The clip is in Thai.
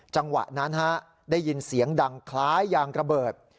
จังหวะนั้นได้ยินเสียงดังคล้ายยางระเบิด